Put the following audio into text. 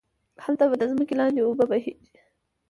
هلته به ده ځمکی لاندی اوبه بهيږي